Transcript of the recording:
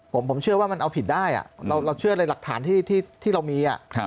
ผมเชื่อว่ามันเอาผิดได้เราเชื่อเลยหลักฐานที่เรามี